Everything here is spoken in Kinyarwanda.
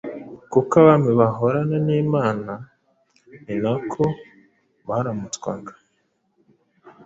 kuko Abami bahorana n'Imana. Ni nako baramutswaga,